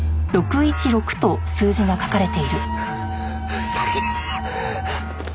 ふざけんな！